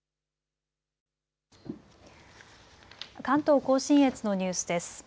関東甲信越のニュースです。